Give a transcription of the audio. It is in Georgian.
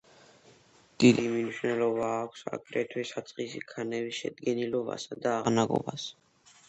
დიდი მნიშვნელობა აქვს აგრეთვე საწყისი ქანების შედგენილობასა და აღნაგობას.